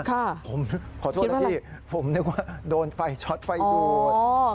ผมขอโทษนะพี่ผมนึกว่าโดนไฟช็อตไฟดูด